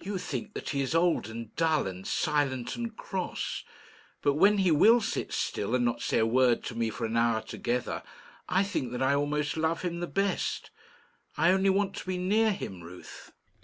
"You think that he is old, and dull, and silent, and cross. But when he will sit still and not say a word to me for an hour together, I think that I almost love him the best. I only want to be near him, Ruth."